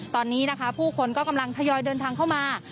ตอนนี้นะคะผู้คนก็กำลังทยอยเดินทางเข้ามา